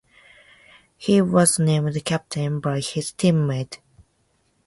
He was named captain by his teammates.